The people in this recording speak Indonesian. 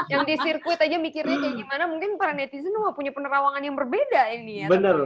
yang di sirkuit aja mikirnya kayak gimana mungkin para netizen semua punya penerawangan yang berbeda ini ya